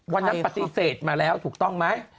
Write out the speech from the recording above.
วันนั้นปฏิเสธมาแล้วถูกต้องไหม